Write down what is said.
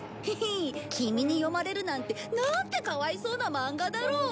キミに読まれるなんてなんてかわいそうなマンガだろう。